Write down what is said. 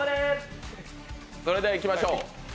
それではいきましょう。